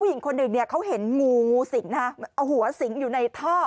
ผู้หญิงคนอื่นเขาเห็นงูซิงฯเอาหัวซิงฯอยู่ในท่อ